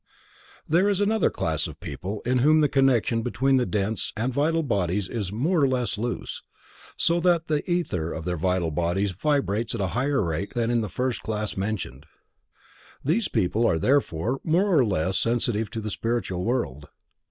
There is another class of people in whom the connection between the dense and the vital bodies is more or less loose, so that the ether of their vital bodies vibrates at a higher rate than in the first class mentioned. These people are therefore more or less sensitive to the spiritual world.